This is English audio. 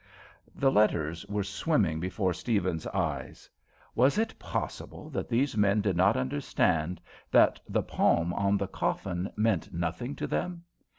The letters were swimming before Steavens's eyes. Was it possible that these men did not understand, that the palm on the coffin meant nothing to them?